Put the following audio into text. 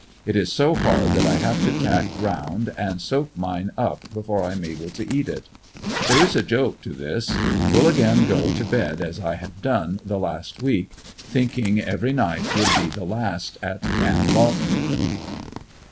It is so hard tliat I have to tack around and soak mine up before 1 am able to eat it. There is a joke to this. Will again go to bed as I have done the last week, thinking every night would be the last at Camp Lawton. Nov.